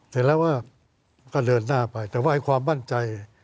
เสร็จแล้วก็เดินหน้าไปแต่ว่าความมั่นใจ